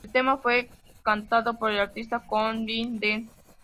El tema fue cantado por el artista country Billy Dean.